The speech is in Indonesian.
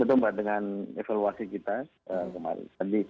itu mbak dengan evaluasi kita kemarin